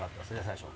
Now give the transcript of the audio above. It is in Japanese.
最初。